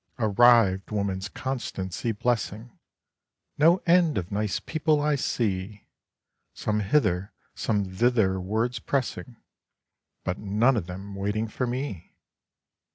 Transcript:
Arrived, woman's constancy blessing, No end of nice people I see, Some hither, some thitherwards pressing, But none of them waiting for me.